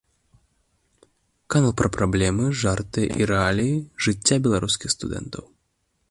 Канал пра праблемы, жарты і рэаліі жыцця беларускіх студэнтаў.